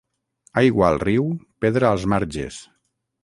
Aigua al riu, pedra als marges.